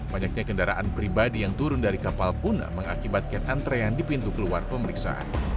banyaknya kendaraan pribadi yang turun dari kapal pun mengakibatkan antrean di pintu keluar pemeriksaan